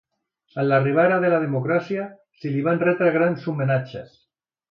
Amb l'arribada de la democràcia, se li van retre grans homenatges.